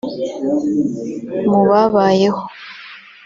mu babayeho